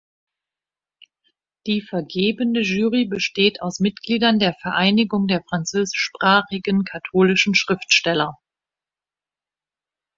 Die vergebende Jury besteht aus Mitgliedern der Vereinigung der französischsprachigen katholischen Schriftsteller.